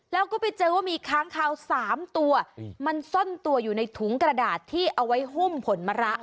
แล้วก็ไปเจอว่ามีค้างคาว๓ตัวมันซ่อนตัวอยู่ในถุงกระดาษที่เอาไว้หุ้มผลมะระ